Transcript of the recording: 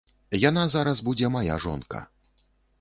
Яна зараз будзе мая жонка.